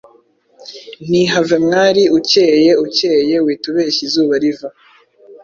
Nti have mwali ukeye ucyeye witubeshya izuba riva